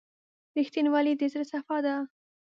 • رښتینولي د زړه صفا ده.